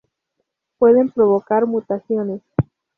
Pueden provocar mutaciones.